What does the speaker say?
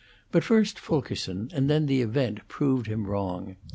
But first Fulkerson and then the event proved him wrong.